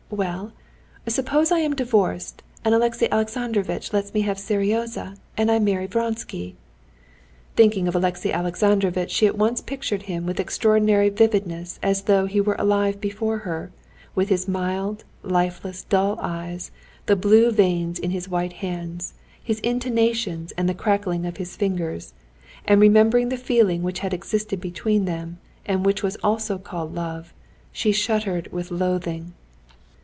Well? Suppose I am divorced, and Alexey Alexandrovitch lets me have Seryozha, and I marry Vronsky." Thinking of Alexey Alexandrovitch, she at once pictured him with extraordinary vividness as though he were alive before her, with his mild, lifeless, dull eyes, the blue veins in his white hands, his intonations and the cracking of his fingers, and remembering the feeling which had existed between them, and which was also called love, she shuddered with loathing.